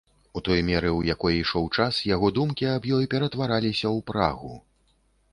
У той меры, у якой ішоў час, яго думкі аб ёй ператвараліся ў прагу.